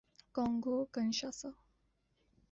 Congo - کنشاسا